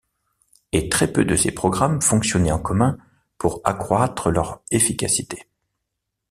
Et très peu de ces programmes fonctionnaient en commun pour accroître leur efficacité.